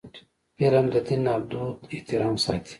فلم د دین او دود احترام ساتي